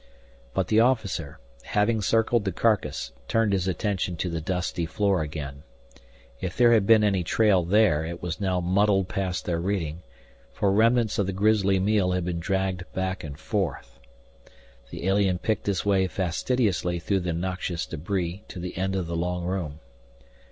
But the officer, having circled the carcass, turned his attention to the dusty floor again. If there had been any trail there, it was now muddled past their reading, for remnants of the grisly meal had been dragged back and forth. The alien picked his way fastidiously through the noxious debris to the end of the long room.